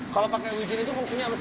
kalau pakai wijen itu fungsinya apa